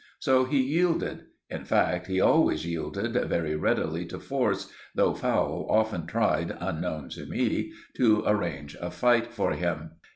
So he yielded; in fact, he always yielded very readily to force, though Fowle often tried, unknown to me, to arrange a fight for him.